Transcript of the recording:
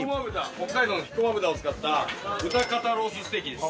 北海道のひこま豚を使った豚肩ロースステーキです。